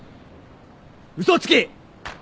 嘘つき！